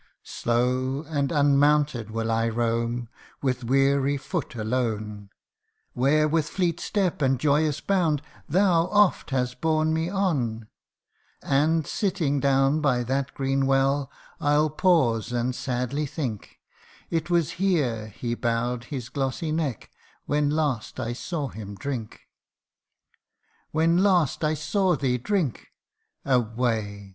Slow and unmounted will I roam, with weary foot alone, Where with fleet step, and joyous bound, thou oft hast borne me on ; And, sitting down by that green well, I '11 pause and sadly think, " It was here he bowed his glossy neck, when last I saw him drink !" When last I saw thee drink ! away